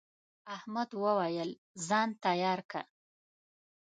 احمد وويل: ځان تیار که.